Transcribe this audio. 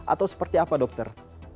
atau seperti apa dokter